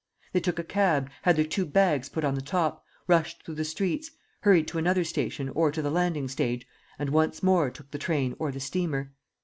They took a cab, had their two bags put on the top, rushed through the streets, hurried to another station or to the landing stage, and once more took the train or the steamer."